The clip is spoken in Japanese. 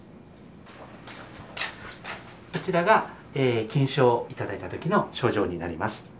こちらが金賞頂いた時の賞状になります。